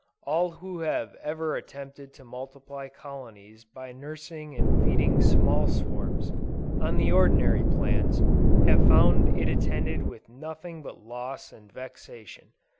All who have ever attempted to multiply colonies by nursing and feeding small swarms, on the ordinary plans, have found it attended with nothing but loss and vexation.